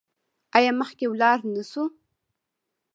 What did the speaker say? آیا مخکې لاړ نشو؟